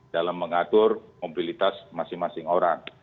dalam mengatur mobilitas masing masing orang